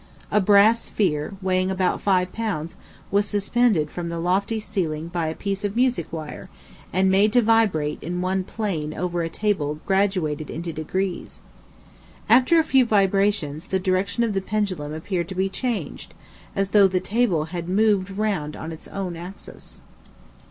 A brass sphere, weighing about five pounds, was suspended from the lofty ceiling by a piece of music wire, and made to vibrate in one plane over a table graduated into degrees. After a few vibrations, the direction of the pendulum appeared to be changed, as though the table had moved round on its owns axis.